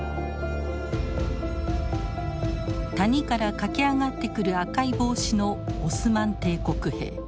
谷から駆け上がってくる赤い帽子のオスマン帝国兵。